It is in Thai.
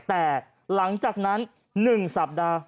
แต่หลังจากนั้น๑สัปดาห์